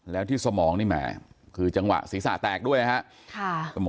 แล้วที่สมองนี่แหมคือจังหวะศีรษะแตกด้วยนะครับ